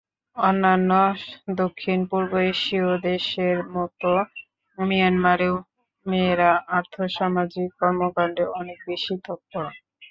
অন্যান্য দক্ষিণ-পূর্ব এশীয় দেশের মতো মিয়ানমারেও মেয়েরা আর্থসামাজিক কর্মকাণ্ডে অনেক বেশি তৎপর।